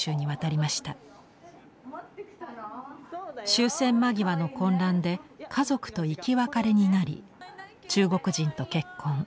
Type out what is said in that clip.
終戦間際の混乱で家族と生き別れになり中国人と結婚。